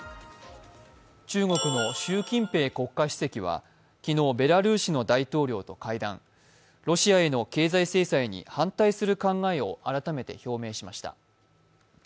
中国の習近平国家主席は昨日、ベラルーシの大統領と会談ロシアへの経済制裁に反対する考えを改めて表明しました。